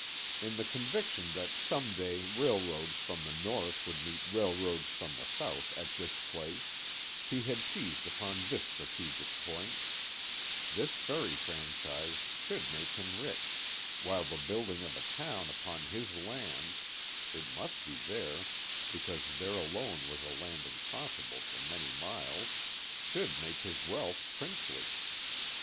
In the conviction that some day railroads from the north would meet railroads from the south at this place, he had seized upon this strategic point; this ferry franchise should make him rich, while the building of a town upon his land it must be there, because there alone was a landing possible for many miles should make his wealth princely.